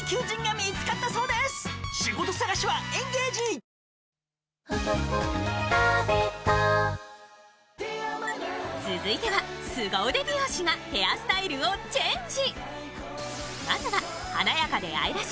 「ビオレ」続いては、すご腕美容師がヘアスタイルをチェンジ。